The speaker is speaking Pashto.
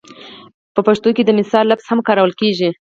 په پښتو کې د مثال لفظ هم کارول کېږي